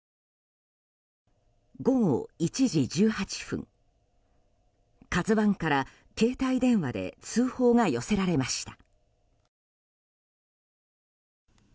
午後１時１８分「ＫＡＺＵ１」から携帯電話で通報が寄せられました。